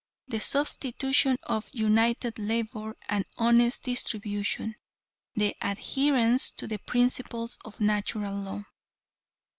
The substitution of united labor and honest distribution. The adherence to the principles of Natural Law.